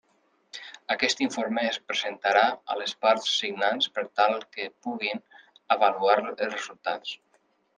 Aquest informe es presentarà a les parts signants per tal que puguin avaluar els resultats.